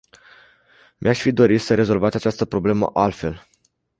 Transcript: Mi-aș fi dorit să rezolvați această problemă altfel.